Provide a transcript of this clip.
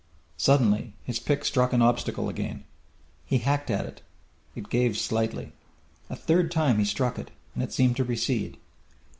Suddenly his pick struck an obstacle again. He hacked at it. It gave slightly. A third time he struck it, and it seemed to recede.